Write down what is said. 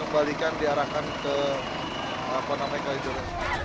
kembalikan diarahkan ke pantai megahidul